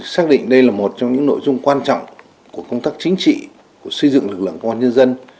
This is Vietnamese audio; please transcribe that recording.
xác định đây là một trong những nội dung quan trọng của công tác chính trị của xây dựng lực lượng công an nhân dân